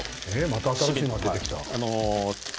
新しいのが出てきた。